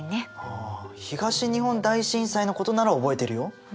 あ東日本大震災のことなら覚えてるよ。